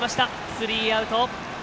スリーアウト。